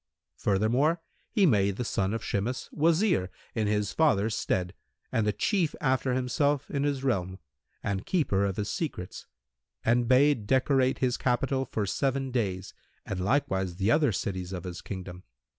Furthermore, he made the son of Shimas Wazir in his father's stead, and the chief after himself in his realm and keeper of his secrets and bade decorate his capital for seven days and likewise the other cities of his kingdom.